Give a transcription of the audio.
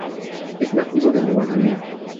Es nativo de Nueva Guinea.